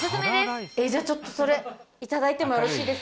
じゃあちょっとそれいただいてもよろしいですか？